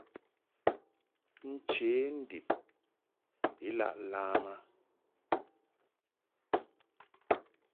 Nche ndib I laʼ lam a.